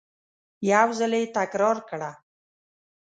یو ځل یې تکرار کړه !